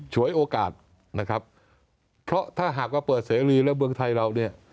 ฉวยโอกาสนะครับเพราะถ้าหากว่าเปิดเสรีแล้วเมืองไทยเราเนี่ย